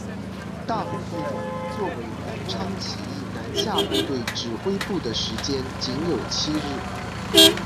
大埔会馆作为南昌起义南下部队指挥部的时间仅有七日。